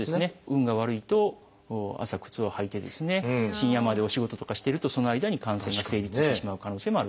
運が悪いと朝靴を履いて深夜までお仕事とかしてるとその間に感染が成立してしまう可能性もあると。